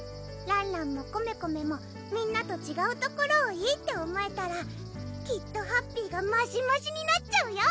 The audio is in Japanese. らんらんもコメコメもみんなとちがうところをいいって思えたらきっとハッピーがマシマシになっちゃうよ